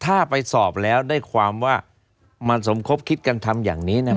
ถ้าไปสอบแล้วได้ความว่ามันสมคบคิดกันทำอย่างนี้นะ